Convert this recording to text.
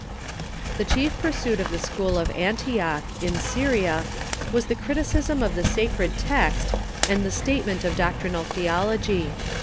The chief pursuit of the school of Antioch, in Syria, Avas the criticism of the sacred text and the statement of doctrinal theology.